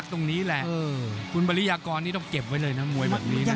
คุณของตัวรุ่นบารียากรต้องเก็บเว้ย